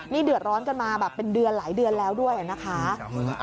นี่เดือดร้อนกันมาแบบเป็นเดือนหลายเดือนแล้วด้วยนะคะ